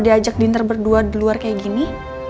diajak dinter berdua di luar kayak gini